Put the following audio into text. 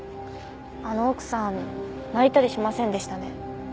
あの奥さん泣いたりしませんでしたね。